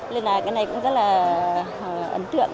nên là cái này cũng rất là ấn tượng